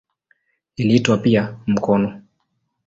Iliitwa pia "mkono".